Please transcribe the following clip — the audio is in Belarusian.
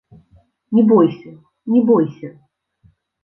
Не бойся, не бойся.